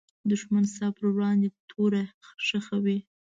دښمن ستا پر وړاندې توره خښوي